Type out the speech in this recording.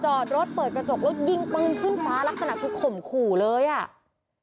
จอดรถเปิดกระจกแล้วยิงปืนขึ้นฟ้าลักษณะคือข่มขู่เลยอ่ะ